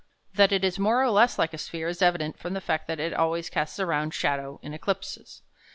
That it is more or less like a sphere is evident from the fact that it always casts a round shadow in eclipses.